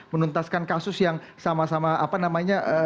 menuntaskan kasus yang sama sama